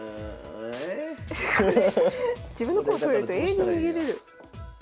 自分の駒取れると永遠に逃げれる。